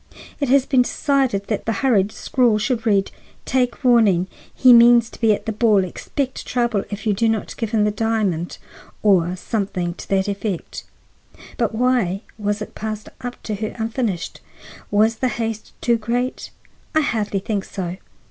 It has been decided that the hurried scrawl should read, 'Take warning. He means to be at the ball. Expect trouble if you do not give him the diamond,' or something to that effect. But why was it passed up to her unfinished? Was the haste too great? I hardly think so.